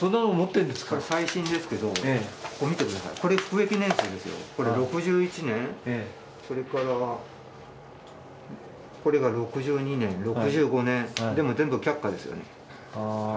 最新ですけど、これ、服役年数ですよ、これ６１年それからこれが６２年、６５年、でも、全部却下ですよね。